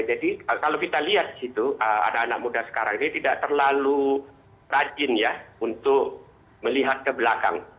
jadi kalau kita lihat di situ ada anak muda sekarang ini tidak terlalu rajin ya untuk melihat ke belakang